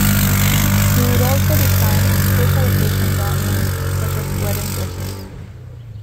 He would also design special occasion garments, such as wedding dresses.